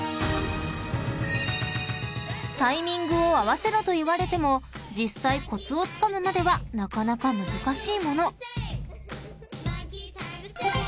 ［タイミングを合わせろと言われても実際コツをつかむまではなかなか難しいもの］